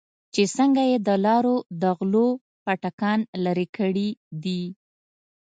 چې څنگه يې د لارو د غلو پاټکان لرې کړې دي.